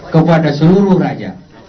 kepada seluruh raja